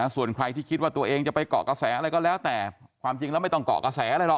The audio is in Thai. ส่วนใครที่คิดว่าตัวเองจะไปเกาะกระแสอะไรก็แล้วแต่ความจริงแล้วไม่ต้องเกาะกระแสอะไรหรอก